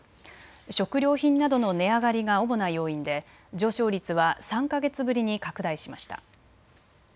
食料品などの値上がりが主な要因で上昇率は３か月ぶりに拡大しました。